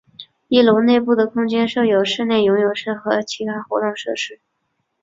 一楼内部的空间设有室内游泳池和其他活动设施。